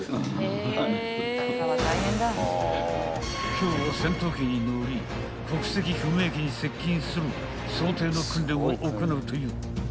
［今日も戦闘機に乗り国籍不明機に接近する想定の訓練を行うという］